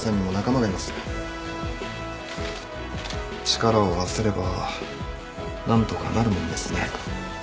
力を合わせれば何とかなるもんですね。